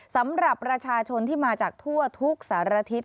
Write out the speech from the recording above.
สำหรับประชาชนที่มาจากทั่วทุกสารทิศ